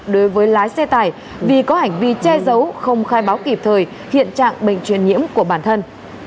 đối với lái xe tải vì có hành vi che giấu không khai báo kịp thời hiện trạng bệnh truyền nhiễm của bản thân